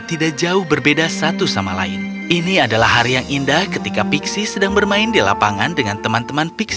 tracy masuklah di luar sana mulai gelap